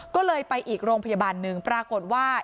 ก็เลยไปอีกโรงพยาบาลหนึ่งปรากฏว่า